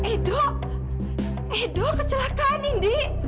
edo edo kecelakaan ndi